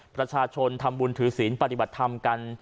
ประชาชนทำบุญถือศีลปฏิบัติธรรมกัน